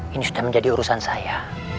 ini sudah menjadi urusan saya